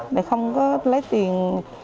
để không có lấy tiền